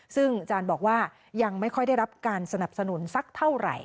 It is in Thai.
ซึ่งอาจารย์บอกว่ายังไม่ค่อยได้รับการสนับสนุนสักเท่าไหร่